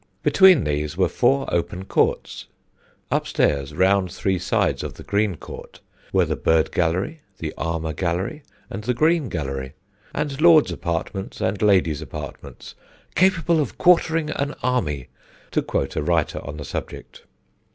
Between these were four open courts. Upstairs, round three sides of the Green Court, were the Bird Gallery, the Armour Gallery, and the Green Gallery, and lords' apartments and ladies' apartments "capable of quartering an army," to quote a writer on the subject.